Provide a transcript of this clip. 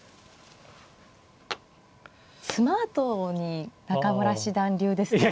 スマートに中村七段流ですと。